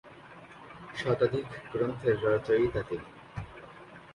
শতাধিক গ্রন্থের রচয়িতা তিনি।